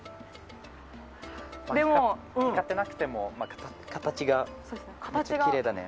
光ってなくても形がきれいだね。